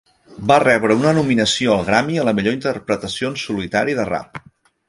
Va rebre una nominació al Grammy a la millor interpretació en solitari de rap.